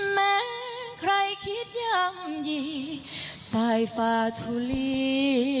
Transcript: แม้ใครคิดยามยีตายฝาทุลี